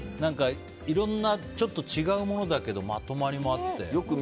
いろんなちょっと違うものだけどまとまりもあって。